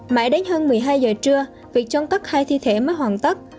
mãi đến hơn một mươi hai giờ trưa việc trong cất hai thi thể mới hoàn tất